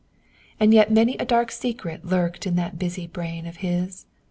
And yet many a dark secret lurked in that busy brain of his.